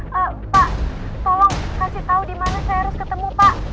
pak tolong kasih tahu di mana saya harus ketemu pak